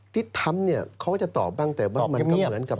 ที่ทำเนี่ยเขาก็จะตอบบ้างแต่ว่ามันก็เหมือนกับ